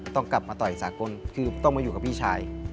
ต้องกลับมาต่อยสากลคือต้องมาอยู่กับพี่ชาย